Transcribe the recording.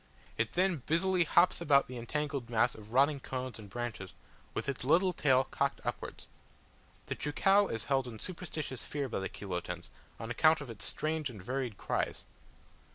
It then busily hops about the entangled mass of rotting cones and branches, with its little tail cocked upwards. The cheucau is held in superstitious fear by the Chilotans, on account of its strange and varied cries.